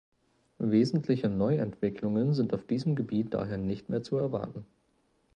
Wesentliche Neuentwicklungen sind auf diesem Gebiet daher nicht mehr zu erwarten.